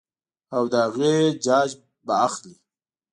او د هغې جاج به اخلي -